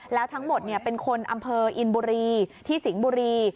แล้วทั้งหมดเป็นคนอำเภออินบุรีที่สิงห์บุรี